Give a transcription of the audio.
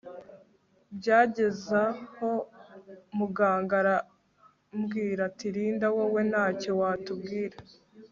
byagezaho muganga arambwira ati Linda wowe ntacyo watubwira